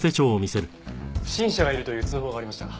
不審者がいるという通報がありました。